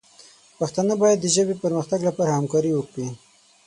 پښتانه باید د ژبې د پرمختګ لپاره همکاري وکړي.